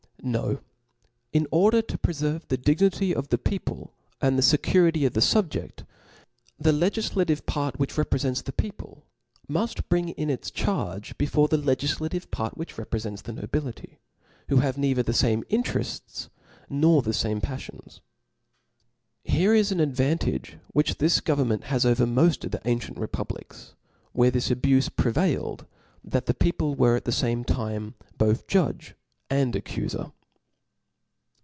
No : in order to preferve the dig nity of the people, and the fecurity of the fubjcft,, the legiflative part which reprefents the people, mud bring in ics charge before the legiflative part which reprefents the nobility, who have neither the fame interefts, nor the fame paflions. Here is an advantage which this government has over moft of the ancient republics, where this abufe prevailed, that the people w^ at the fame time both judge and accufer.